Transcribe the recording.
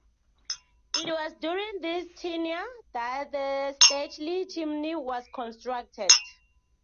It was during this tenure that the Stirchley Chimney was constructed.